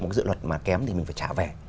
một dự luật mà kém thì mình phải trả về